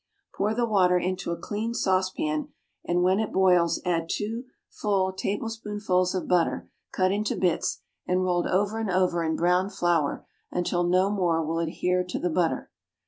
Pour the water into a clean saucepan and when it boils add two full tablespoonfuls of butter cut into bits and rolled over and over in browned flour until no more will adhere to the butter.